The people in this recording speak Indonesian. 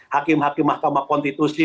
hakim hakim mahkamah konstitusi